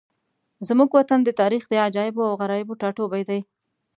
زموږ وطن د تاریخ د عجایبو او غرایبو ټاټوبی دی.